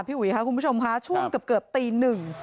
พี่หรือคะคุณผู้ชมคะช่วงเกือบตีหนึ่ง